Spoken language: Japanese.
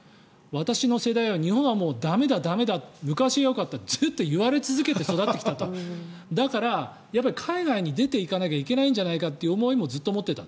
私の世代は日本はもう駄目だ駄目だ昔はよかったとずっと言われて続けて育ってきたとだから、海外に出ていかなきゃいけないんじゃないかという思いもずっと思っていた。